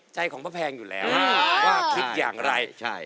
ใจของป้าแพงอยู่แล้วว่าคิดอย่างไร